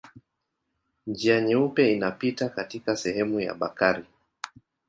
Njia Nyeupe inapita katika sehemu ya Bakari.